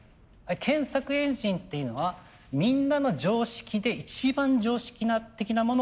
検索エンジンっていうのはみんなの常識で一番常識的なものを出すようになってます。